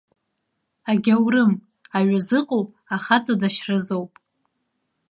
Агьаурым, аҩы зыҟоу ахаҵа дашьразоуп.